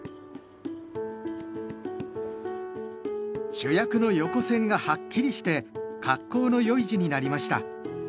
主役の横線がはっきりして格好の良い字になりました。